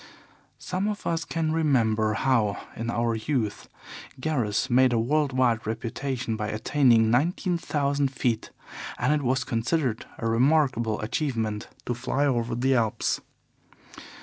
Some of us can remember how, in our youth, Garros made a world wide reputation by attaining nineteen thousand feet, and it was considered a remarkable achievement to fly over the Alps.